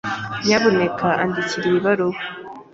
Nyamuneka andikira iyi baruwa.